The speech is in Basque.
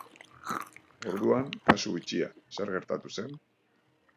Orduan, kasu bitxia, zer gertatu zen?